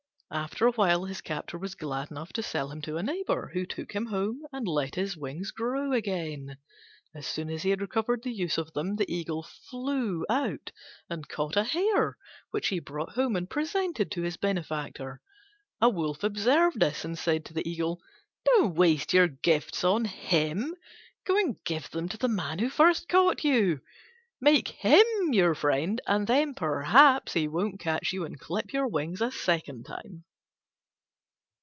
After a while his Captor was glad enough to sell him to a neighbour, who took him home and let his wings grow again. As soon as he had recovered the use of them, the Eagle flew out and caught a hare, which he brought home and presented to his benefactor. A fox observed this, and said to the Eagle, "Don't waste your gifts on him! Go and give them to the man who first caught you; make him your friend, and then perhaps he won't catch you and clip your wings a second time."